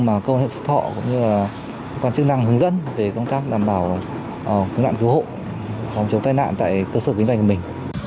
mà cơ quan hệ phục họ cũng như là cơ quan chức năng hướng dẫn